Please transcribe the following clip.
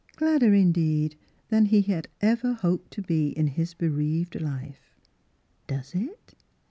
Gladder, indeed, than he had ever hoped to be in his bereaved life. "Does it?"